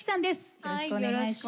よろしくお願いします。